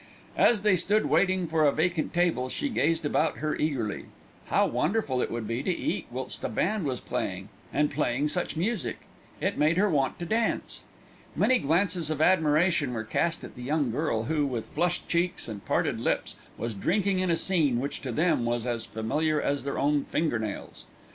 As they stood waiting for a vacant table, she gazed about her eagerly. How wonderful it would be to eat whilst a band was playing and playing such music! It made her want to dance. Many glances of admiration were cast at the young girl who, with flushed cheeks and parted lips, was drinking in a scene which, to them, was as familiar as their own finger nails.